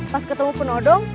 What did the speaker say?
pas ketemu penodong